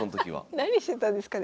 何してたんですかね